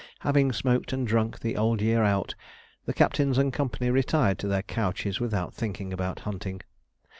Having smoked and drunk the old year out, the captains and company retired to their couches without thinking about hunting.